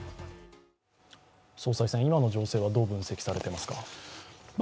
総裁選、今の情勢はどう分析されていますか？